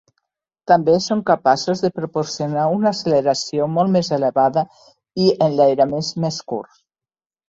També són capaços de proporcionar una acceleració molt més elevada i enlairaments més curts.